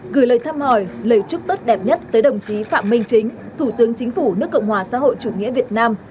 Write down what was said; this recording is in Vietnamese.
gửi lời thăm hỏi lời chúc tốt đẹp nhất tới đồng chí phạm minh chính thủ tướng chính phủ nước cộng hòa xã hội chủ nghĩa việt nam